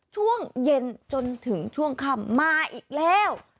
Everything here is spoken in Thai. ช่วงเย็นจนถึงช่วงค่ำมาอีกแล้ว